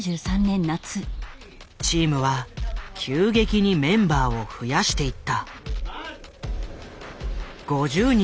チームは急激にメンバーを増やしていった。